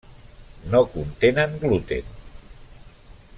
No contenen gluten.